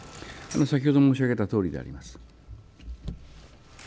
先ほど申し上げたとおりであります。